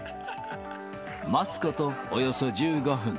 待つことおよそ１５分。